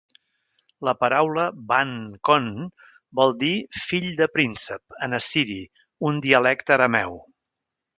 La paraula Ban-Kon vol dir "fill de príncep" en assiri, un dialecte arameu.